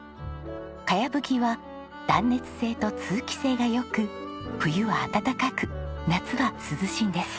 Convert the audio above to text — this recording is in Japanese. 茅葺きは断熱性と通気性が良く冬は暖かく夏は涼しいんですよ。